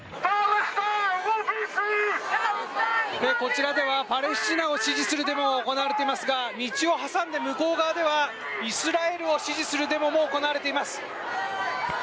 こちらではパレスチナを支持するデモが行われていますが道を挟んで向こう側にはイスラエルを支持するデモも行われています。